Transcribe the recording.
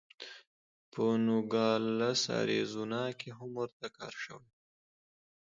په نوګالس اریزونا کې هم ورته کار شوی و.